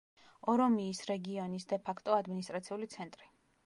ორომიის რეგიონის დე-ფაქტო ადმინისტრაციული ცენტრი.